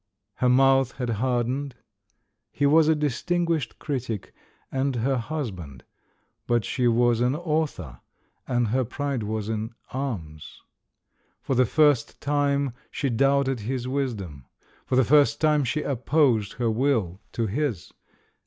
Her mouth had hardened. He was a distinguished critic, and her husband; but she was an author, and her pride was in arms. For the first time she doubted his wisdom. For the first time she opposed her will to his.